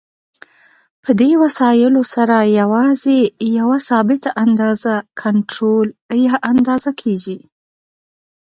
په دې وسایلو سره یوازې یوه ثابته اندازه کنټرول یا اندازه کېږي.